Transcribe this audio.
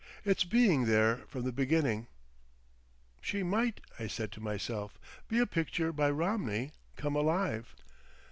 It's being there from the beginning."... "She might," I said to myself, "be a picture by Romney come alive!"